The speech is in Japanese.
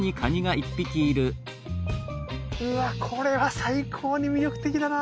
うわこれは最高に魅力的だな。